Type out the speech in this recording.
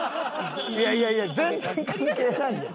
いやいやいや全然関係ないやん。